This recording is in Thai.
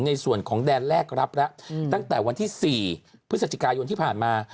ในส่วนของแดนแรกรับแล้วตั้งแต่วันที่๔พฤศจิกายนที่ผ่านมา